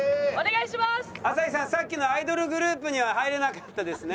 さっきのアイドルグループには入れなかったですね。